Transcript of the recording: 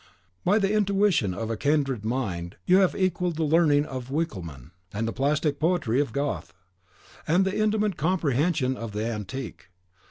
By the intuition of a kindred mind, you have equalled the learning of Winckelman, and the plastic poetry of Goethe, in the intimate comprehension of the antique.